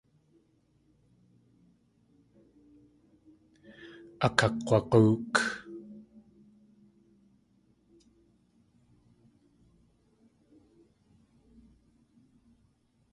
Akakg̲wag̲óok.